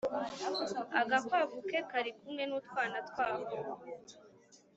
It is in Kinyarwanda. agakwavu ke kari kumwe n’utwana twako.